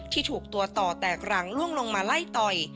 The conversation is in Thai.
ที่ถูกตัวต่อแตกรังล่วงลงมาไล่ต่อย